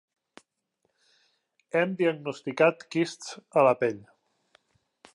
Hem diagnosticat quists a la pell.